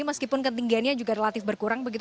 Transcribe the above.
meskipun ketinggiannya juga relatif berkurang begitu